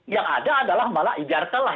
yang ada adalah malah igartalah